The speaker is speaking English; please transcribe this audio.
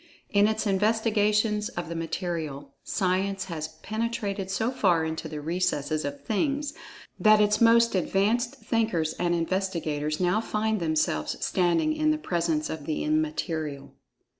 In its investigations of the Material, Science has penetrated so far into the recesses of Things that its most advanced thinkers and investigators now find themselves standing in the presence of the Immaterial.